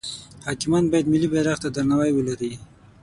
حاکمان باید ملی بیرغ ته درناوی ولری.